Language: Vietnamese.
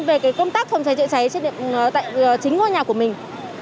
về công tác không cháy chạy cháy trên địa bàn chính của nhà của mình